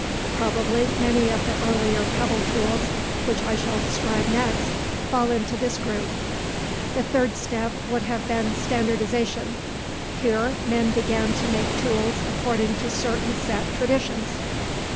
Probably many of the earlier pebble tools, which I shall describe next, fall into this group. The third step would have been standardization. Here, men began to make tools according to certain set traditions.